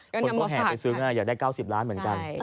คนก็แห่ไปซื้อไงอยากได้๙๐ล้านเหมือนกัน